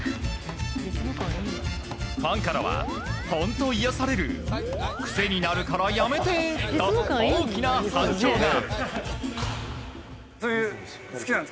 ファンからは本当癒やされる癖になるからやめてと大きな反響が。